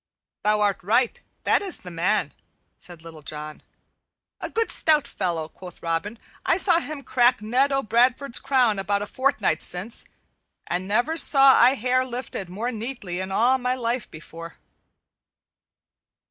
"Thou art right; that is the man," said Little John. "A good stout fellow," quoth Robin. "I saw him crack Ned o' Bradford's crown about a fortnight since, and never saw I hair lifted more neatly in all my life before."